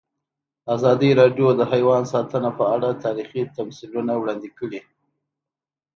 ازادي راډیو د حیوان ساتنه په اړه تاریخي تمثیلونه وړاندې کړي.